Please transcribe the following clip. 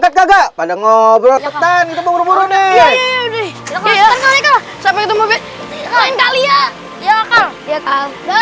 sobat kami malah berpura pura dengan begini